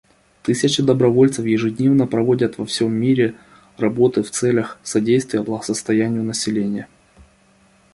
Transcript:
Тысячи добровольцев ежедневно проводят во всем мире работу в целях содействия благосостоянию населения.